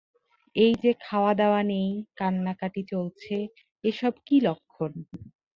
এই-যে খাওয়া-দাওয়া নেই, কান্নাকাটি চলছে, এ-সব কী লক্ষণ?